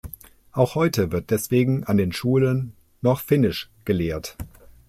Auch heute wird deswegen an den Schulen noch Finnisch gelehrt.